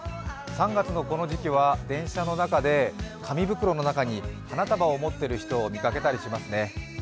３月のこの時期は電車の中で紙袋の中に花束を持っている人を見かけたりしますね。